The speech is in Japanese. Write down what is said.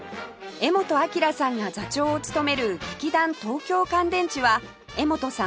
柄本明さんが座長を務める劇団東京乾電池は柄本さん